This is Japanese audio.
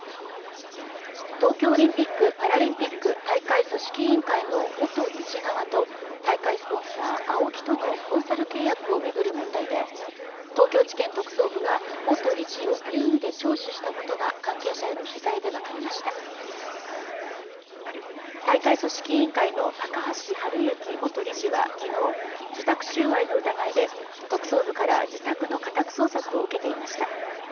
東京オリンピックパラリンピック大会組織委員会の元理事側と大会スポンサーＡＯＫＩとのコンサル契約をめぐる問題で東京地検特捜部が元理事を任意で聴取したことが関係者への取材で分かりました大会組織委員会の高橋治之元理事は昨日受託収賄の疑いで特捜部から自宅の家宅捜索を受けていました